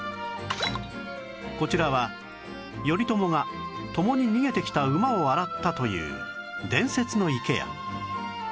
こちらは頼朝が共に逃げてきた馬を洗ったという伝説の池や